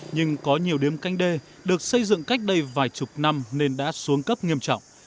nhưng có nhiều điếm canh đê được xây dựng cách đây vài chục năm nên đã xuống cấp nghiêm trọng